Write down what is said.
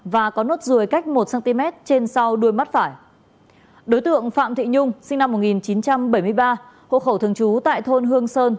hộ khẩu thường trú tại thôn hương sơn